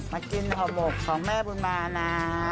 มากินห่อหมกของแม่บุญมานะ